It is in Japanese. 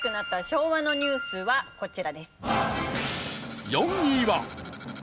昭和のニュースはこちらです。